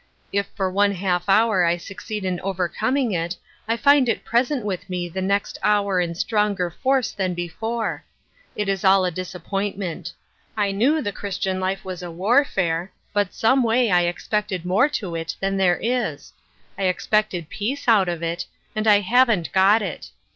If for one half hour I succeed in overcoming it, I find it present with me the next hour in stronger force than before. It is all a disap pointment. I knew the Christian life was a warfare, but someway I expected more to it than there is ; I expected peace out of it, and I Looking for an Easy Yoke. 206 haven't got it.